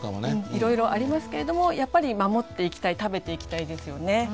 いろいろありますけれどもやっぱり守っていきたい食べていきたいですよね。